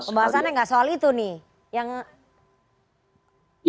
ini pembahasannya gak soal itu nih